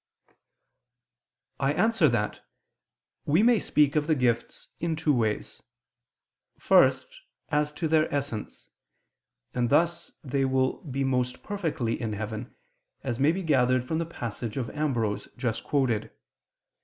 I answer that, We may speak of the gifts in two ways: first, as to their essence; and thus they will be most perfectly in heaven, as may be gathered from the passage of Ambrose, just quoted.